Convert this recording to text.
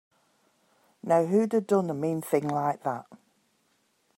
Now who'da done a mean thing like that?